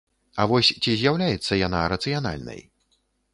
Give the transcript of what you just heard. А вось ці з'яўляецца яна рацыянальнай?